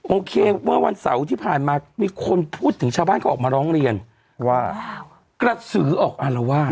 โอเคเมื่อวันเสาร์ที่ผ่านมามีคนพูดถึงชาวบ้านเขาออกมาร้องเรียนว่ากระสือออกอารวาส